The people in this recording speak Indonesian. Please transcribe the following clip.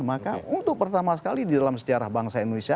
maka untuk pertama sekali di dalam sejarah bangsa indonesia